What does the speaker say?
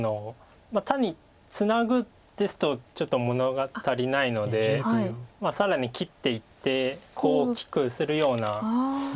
単にツナぐんですとちょっとものが足りないので更に切っていってコウを大きくするような。